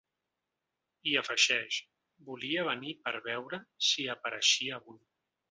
I afegeix: Volia venir per veure si apareixia avui.